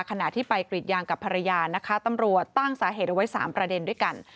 ขณะที่ไปกรีดยางกับภรรยานะคะตำรวจตั้งสาเหตุเอาไว้๓ประเด็นด้วยกัน